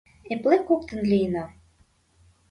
Эпле коктын лийына.